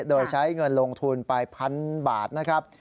โดยใช้เงินลงทุนไปพันบาทนะครับ